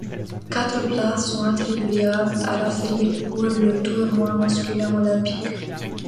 Quatre places sont attribuables à l'Afrique pour le tournoi masculin olympique.